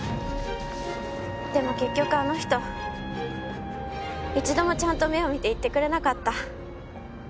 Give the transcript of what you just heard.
でも結局あの人一度もちゃんと目を見て言ってくれなかった。